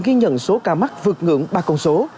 ghi nhận số ca mắc vượt ngưỡng ba con số